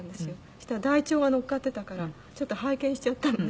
「そしたら台帳がのっかってたからちょっと拝見しちゃったのね。